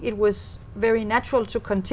tất cả các tổ chức